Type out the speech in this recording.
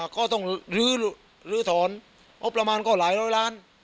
ก็ต้องลื้อถอนงบประมาณก็หลายร้อยล้าน